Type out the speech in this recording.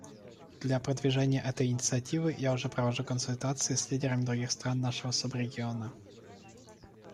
Для продвижения этой инициативы я уже провожу консультации с лидерами других стран нашего субрегиона.